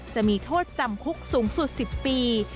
จะมีโทษจำคุกสูงสุด๑๐ปี